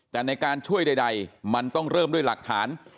แต่ในการช่วยใดมันต้องเริ่มด้วยหลักฐาน